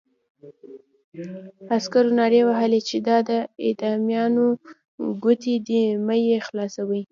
عسکرو نارې وهلې چې دا د اعدامیانو کوټې دي مه یې خلاصوئ.